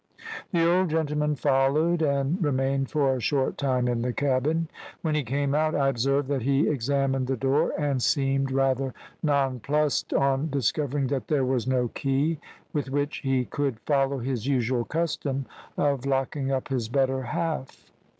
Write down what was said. "The old gentleman followed and remained for a short time in the cabin. When he came out I observed that he examined the door, and seemed rather nonplussed on discovering that there was no key with which he could follow his usual custom of locking up his better half.